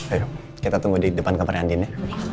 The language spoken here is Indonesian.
ayo kita tunggu di depan kamarnya andien ya